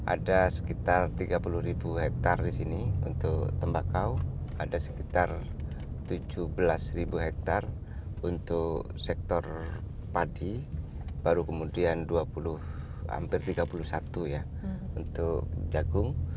ada sekitar tiga puluh ribu hektare di sini untuk tembakau ada sekitar tujuh belas hektare untuk sektor padi baru kemudian dua puluh hampir tiga puluh satu ya untuk jagung